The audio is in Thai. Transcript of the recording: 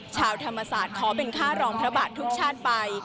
ชาวธรรมศาสตร์ขอเป็นค่ารองพระบาททุกชาติไป